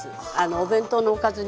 お弁当のおかずにも。